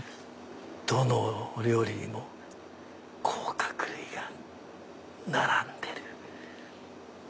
どの料理にも甲殻類が並んでる。